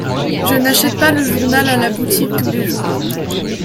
Je n'achète pas le journal à la boutique tous les jours.